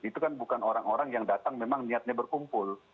itu kan bukan orang orang yang datang memang niatnya berkumpul